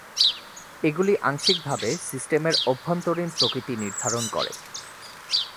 এগুলি আংশিকভাবে সিস্টেমের অভ্যন্তরীণ প্রকৃতি নির্ধারণ করে।